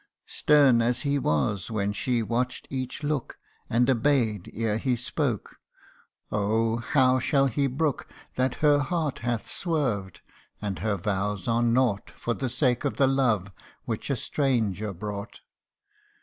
Stern as he was when she watch'd each look, And obey'd ere he spoke oh ! how shall he brook That her heart hath swerved, and her vows are naught For the sake of the love which a stranger brought